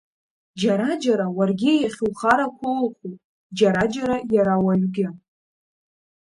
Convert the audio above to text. Џьара-џьара уаргьы иахьухарақәо ыҟоуп, џьара-џьара иара ауаҩгьы.